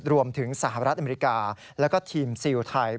รวมถึงสหรัฐอเมริกาแล้วก็ทีมซีลไทย